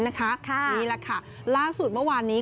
นี่แหละค่ะล่าสุดเมื่อวานนี้